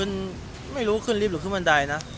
๔๐๐นี่เราคิดเค้าหรือว่า